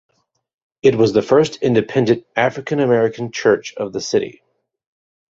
It was the first independent African American church of the city.